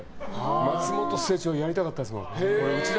松本清張、やりたかったですもん。